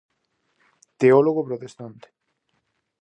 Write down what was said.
Teólogo protestante.